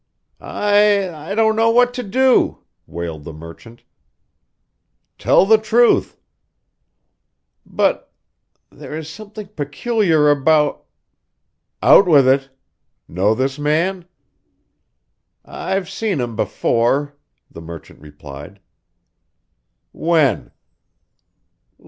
"I I don't know what to do," wailed the merchant. "Tell the truth!" "But there is something peculiar about " "Out with it! Know this man?" "I've seen him before," the merchant replied. "When?"